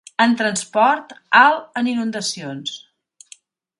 En transport, alt en inundacions.